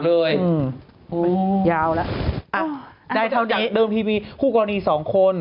ได้จากเดิมทีมีคู่กรณี๒คน